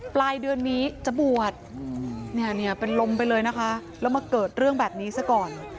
ปลายเดือนนี้จะบวชเนี่ยเป็นลมไปเลยนะคะแล้วมาเกิดเรื่องแบบนี้ซะก่อน